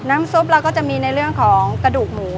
ซุปเราก็จะมีในเรื่องของกระดูกหมู